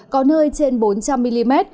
có nơi trên bốn trăm linh mm